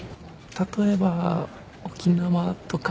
例えば沖縄とか。